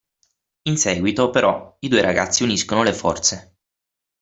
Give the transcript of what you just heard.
In seguito, però, i due ragazzi uniscono le forze.